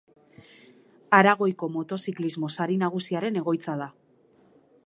Aragoiko Motoziklismo Sari Nagusiaren egoitza da.